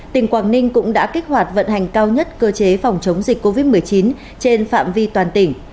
tỉnh quảng ninh cũng đã kích hoạt vận hành cao nhất cơ chế phòng chống dịch covid một mươi chín trên phạm vi toàn tỉnh